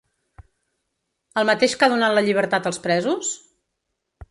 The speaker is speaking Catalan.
El mateix que ha donat la llibertat als presos?